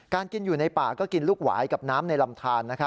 กินอยู่ในป่าก็กินลูกหวายกับน้ำในลำทาน